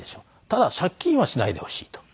「ただ借金はしないでほしい」と。